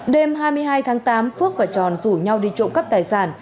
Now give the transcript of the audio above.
đêm hai mươi hai tháng tám phước và tròn rủ nhau đi trộm cắp tài sản